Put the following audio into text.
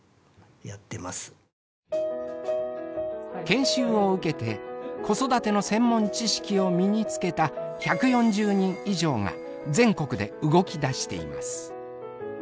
研修を受けて子育ての専門知識を身につけた１４０人以上が全国で動き出しています。